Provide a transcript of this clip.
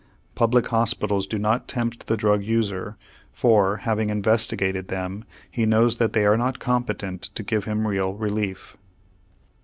Public hospitals do not tempt the drug user for, having investigated them, he knows that they are not competent to give him real relief.